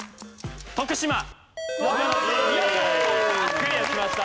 クリアしました。